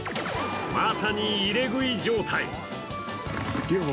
まさに入れ食い状態。